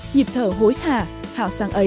nhịp thở hối hạ hào sang ấy